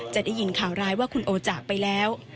จะได้ยินข่าวร้ายว่าคุณโอจากไปแล้ว